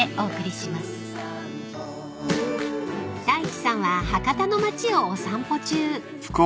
［太一さんは博多の町をお散歩中］